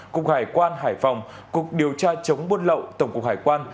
cục hải quan hải phòng cục điều tra chống buôn lậu tổng cục hải quan